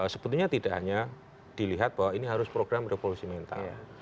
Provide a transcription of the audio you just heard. sebetulnya tidak hanya dilihat bahwa ini harus program revolusi mental